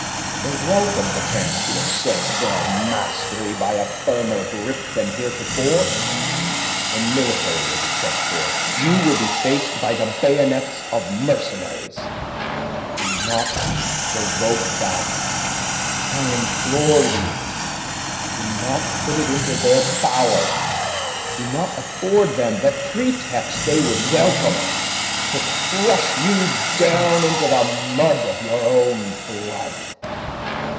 They will welcome the chance to assert their mastery by a firmer grip than heretofore. The military will be sent for. You will be faced by the bayonets of mercenaries. Do not provoke that, I implore you. Do not put it into their power, do not afford them the pretext they would welcome to crush you down into the mud of your own blood."